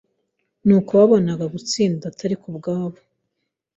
nuko babonako, gutsinda Atari kubwabo,